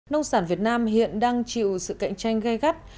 nông sản việt nam hiện đang chịu sự cạnh tranh gây gắt